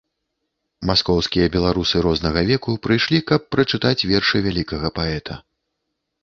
Маскоўскія беларусы рознага веку прыйшлі, каб прачытаць вершы вялікага паэта.